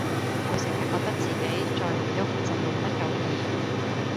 我成日覺得自己再唔郁就命不久矣